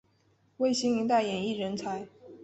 为新一代演艺人才。